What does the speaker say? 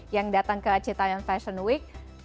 yang datang ke citaian fashion week